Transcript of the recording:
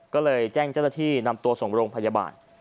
ก็เลยแจ้งเจ้าหน้าที่นำตัวส่งโรงพยาบาล